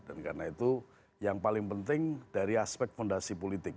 dan karena itu yang paling penting dari aspek fondasi politik